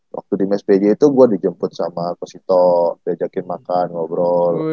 waktu di mes pj itu gua dijemput sama ko sito diajakin makan ngobrol